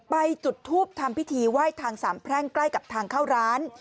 จุดทูปทำพิธีไหว้ทางสามแพร่งใกล้กับทางเข้าร้าน